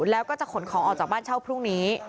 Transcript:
แล้วก็จะขนของออกจากบ้านเช่าพรุ่งนี้